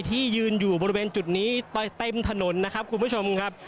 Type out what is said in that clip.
ที่ยืนอยู่บริเวณจุดนี้เต็มถนนนะครับคุณผู้ชมครับ